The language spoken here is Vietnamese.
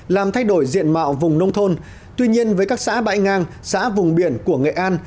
làm thay đổi diện mạo vùng nông thôn tuy nhiên với các xã bãi ngang xã vùng biển của nghệ an